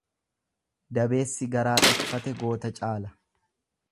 Dabeessi garaa dhokfate goota caala.